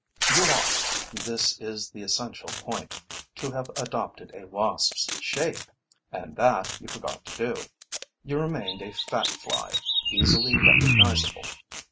You ought this is the essential point to have adopted a wasp's shape; and that you forgot to do: you remained a fat fly, easily recognizable.